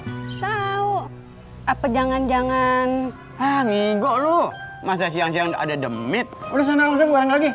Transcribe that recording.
hai tahu apa jangan jangan hangi golu masa siang siang ada demit udah sana orang lagi